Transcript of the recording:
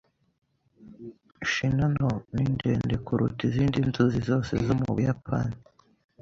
Shinano ni ndende kuruta izindi nzuzi zose zo mu Buyapani.